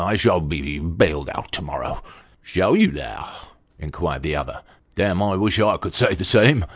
" I shall be bailed out to morrow." " Shall you, though ?" inquired the other. " Damme, I wish I could say the same.